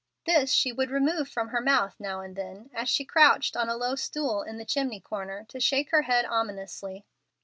This she would remove from her mouth now and then, as she crouched on a low stool in the chimney corner, to shake her head ominously.